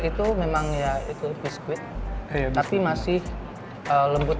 itu memang ya itu biskuit tapi masih lembut